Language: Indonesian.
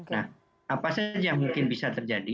nah apa saja yang mungkin bisa terjadi